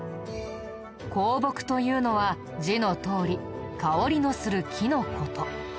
香木というのは字のとおり香りのする木の事。